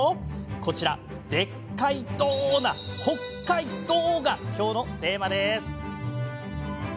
こちら、でっかいど！な北海道が今日のテーマです。